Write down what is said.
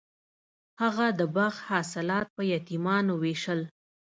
هغه د باغ حاصلات په یتیمانو ویشل.